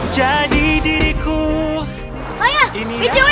jadi diriku ini